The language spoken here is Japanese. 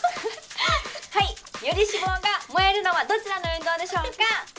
はいより脂肪が燃えるのはどちらの運動でしょうか？